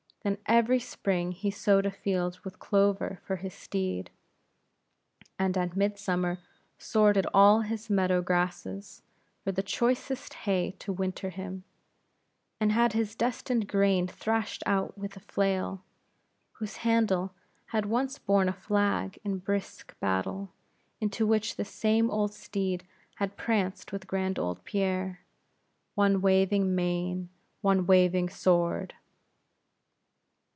Then every spring he sowed a field with clover for his steed; and at mid summer sorted all his meadow grasses, for the choicest hay to winter him; and had his destined grain thrashed out with a flail, whose handle had once borne a flag in a brisk battle, into which this same old steed had pranced with grand old Pierre; one waving mane, one waving sword!